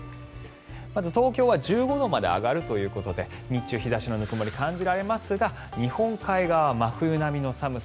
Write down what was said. まず東京は１５度まで上がるということで日中、日差しのぬくもりが感じられますが日本海側は真冬並みの寒さ。